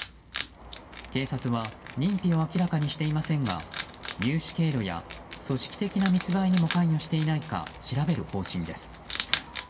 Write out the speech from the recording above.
警察は認否を明らかにしていませんが入手経路や、組織的な密売にも関与していないか調べる方針です。